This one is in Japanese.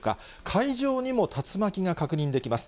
海上にも竜巻が確認できます。